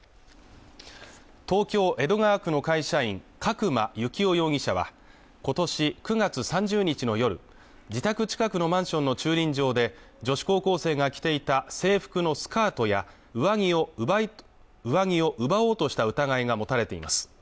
東京・江戸川区の会社員角間幸雄容疑者は今年９月３０日の夜自宅近くのマンションの駐輪場で女子高校生が着ていた制服のスカートや上着を奪おうとした疑いが持たれています